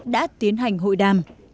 đã tiến hành hội đàm